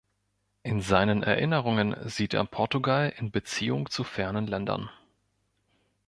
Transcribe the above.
In seinen Erinnerungen sieht er Portugal in Beziehung zu fernen Ländern.